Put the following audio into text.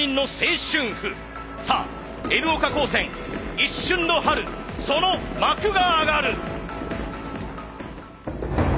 さあＮ岡高専一瞬の春その幕が上がる。